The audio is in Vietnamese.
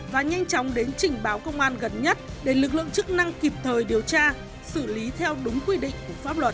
và nhanh chóng đến trình báo công an gần nhất để lực lượng chức năng kịp thời điều tra xử lý theo đúng quy định của pháp luật